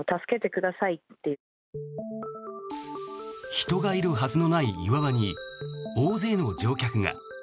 人がいるはずのない岩場に大勢の乗客が。